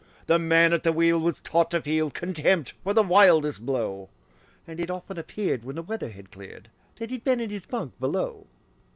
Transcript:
The man at the wheel was taught to feel Contempt for the wildest blow, And it often appeared, when the weather had cleared, That he'd been in his bunk below.